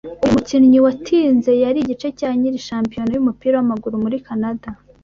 Uyu mukinnyi watinze yari igice cya nyiri shampiyona yumupira wamaguru muri Kanada